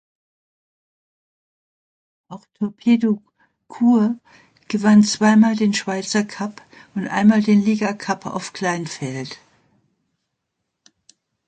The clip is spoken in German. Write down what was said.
Auch Torpedo Chur gewann zweimal den Schweizer Cup und einmal den Liga-Cup auf Kleinfeld.